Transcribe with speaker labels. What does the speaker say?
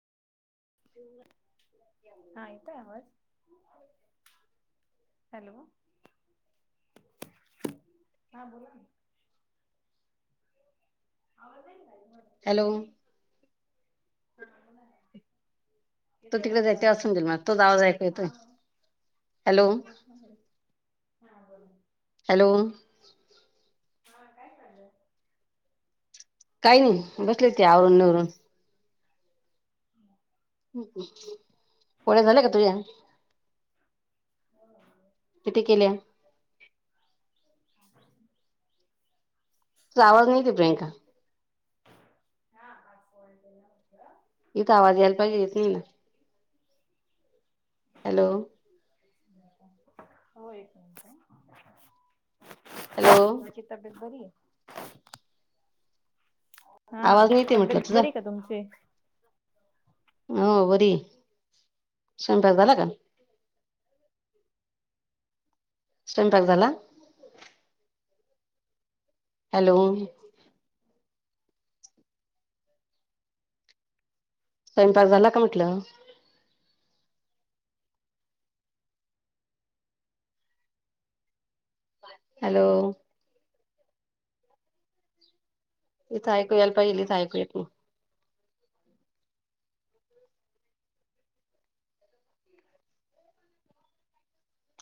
Speaker 1: हा येतोय आवाज? हॅलो हा बोलान. आवाज ना म [unintelligible]
Speaker 2: हॅलो.
Speaker 1: हा [unintelligible]
Speaker 2: तो तिकडे जाईल तेव्हा समजील मला तुझा आवाज ऐकू येतोय.
Speaker 1: हा मग [inaudible] हा बोला
Speaker 2: हाॅलो.
Speaker 1: हा काय चाललंय.
Speaker 2: काही नाही बसले ते आवरून निवरून.
Speaker 1: हो. [inaudible]
Speaker 2: हम्म हम्म पोळ्या झाल्या का तुझ्या?
Speaker 1: हो.
Speaker 2: तिथे केल्यात
Speaker 1: [inaudible]
Speaker 2: तुजा आवाज नाहीे येत आहे प्रियंका.
Speaker 1: हां ह फोन केला होता.
Speaker 2: इथ आवाज यायला पाहिेजे येत नाही हॅलो
Speaker 1: हो एक मिनट अ
Speaker 2: हॅलो
Speaker 1: तुमची तब्बेत बरी आहे? हां तब्येत बरी आहे का तुमची?
Speaker 2: हो बरी आहे. स्वयंपाक झाला का? स्वयंपाक झाला? हॅलो स्वयंपाक झाला का म्हटलं? हॅलो जिथ आयकू यायला पाहीजे तिथ आयकू येत नाही.